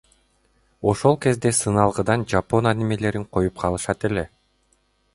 Ошол кезде сыналгыдан жапон анимелерин коюп калышат эле.